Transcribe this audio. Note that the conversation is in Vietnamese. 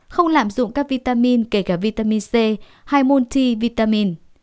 không lạm dụng các vitamin kể cả vitamin c hay multivitamin